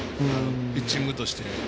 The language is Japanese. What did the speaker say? ピッチングとして。